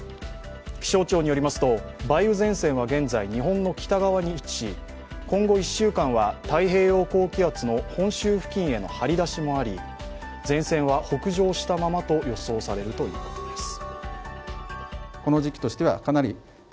気象庁によりますと、梅雨前線は現在日本の北側に位置し、今後１週間は太平洋高気圧の本州付近への張り出しもあり、前線は北上したままと予想されるということです。